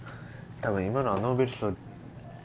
多分今のはノーベル賞。